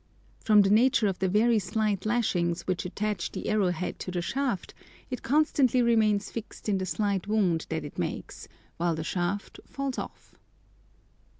From the nature of the very slight lashings which attach the arrow head to the shaft, it constantly remains fixed in the slight wound that it makes, while the shaft falls off.